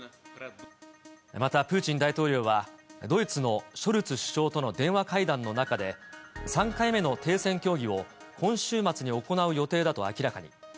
またプーチン大統領は、ドイツのショルツ首相との電話会談の中で、３回目の停戦協議を今週末に行う予定だと明らかに。